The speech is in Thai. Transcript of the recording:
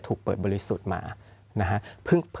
ถูกเปิดบริสุทธิ์มานะฮะ